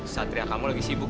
satria kamu lagi sibuk